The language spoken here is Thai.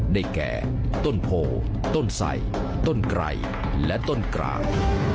ได้แก่ต้นโพต้นใส่ต้นไกรและต้นกลาง